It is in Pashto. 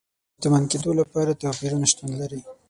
د شتمن کېدو لپاره توپیرونه شتون لري.